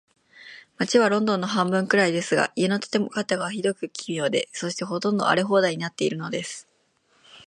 街はロンドンの半分くらいですが、家の建て方が、ひどく奇妙で、そして、ほとんど荒れ放題になっているのです。